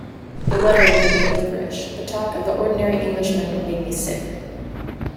The weather made me liverish, the talk of the ordinary Englishman made me sick.